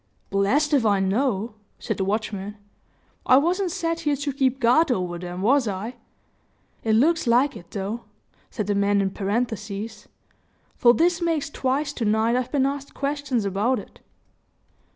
"Blessed if I know," said the watchman. "I, wasn't set here to keep guard over them was I? It looks like it, though," said the man in parenthesis; "for this makes twice to night I've been asked questions about it."